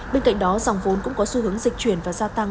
bên cạnh đó dòng vốn cũng có xu hướng dịch chuyển và gia tăng